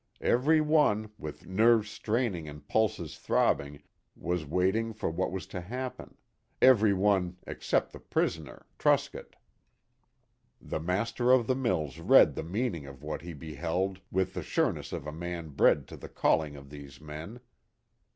Every one, with nerves straining and pulses throbbing, was waiting for what was to happen; every one except the prisoner, Truscott. The master of the mills read the meaning of what he beheld with the sureness of a man bred to the calling of these men.